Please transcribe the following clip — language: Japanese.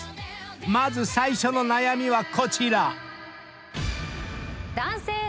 まず最初の悩みはこちら］